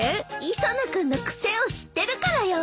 磯野君の癖を知ってるからよ。